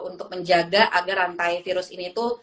untuk menjaga agar rantai virus ini tuh